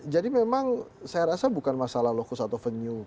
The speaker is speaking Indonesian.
jadi memang saya rasa bukan masalah lokus atau venue